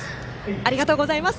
ありがとうございます。